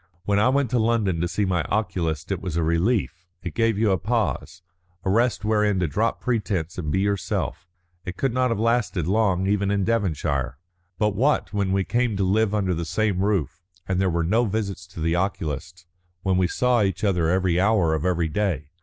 When I went to London to see my oculist it was a relief; it gave you a pause, a rest wherein to drop pretence and be yourself. It could not have lasted long even in Devonshire. But what when we came to live under the same roof, and there were no visits to the oculist, when we saw each other every hour of every day?